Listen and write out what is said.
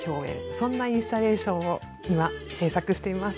そんなインスタレーションを今制作しています。